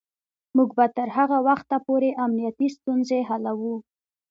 موږ به تر هغه وخته پورې امنیتی ستونزې حلوو.